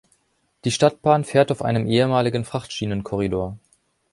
Die Stadtbahn fährt auf einem ehemaligen Frachtschienenkorridor.